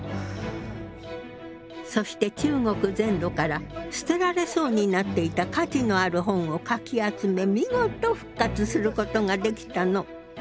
そして中国全土から捨てられそうになっていた価値のある本をかき集め見事復活することができたの。